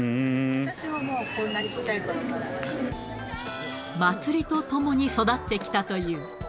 私ももうこんなちっちゃいこ祭りと共に育ってきたという。